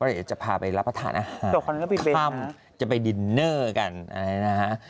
เดี๋ยวจะพาไปรับประทานอาหารจะไปดินเนอร์กันอะไรนะฮะ